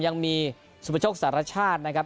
ยังมีซุประโชคศาสตร์ราชาตินะครับ